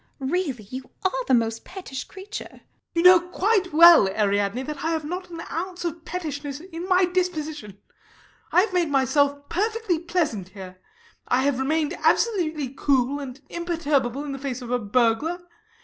Really, you are the most pettish creature. RANDALL. You know quite well, Ariadne, that I have not an ounce of pettishness in my disposition. I have made myself perfectly pleasant here. I have remained absolutely cool and imperturbable in the face of a burglar.